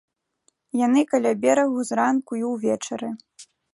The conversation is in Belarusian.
Яны каля берагу зранку і ўвечары.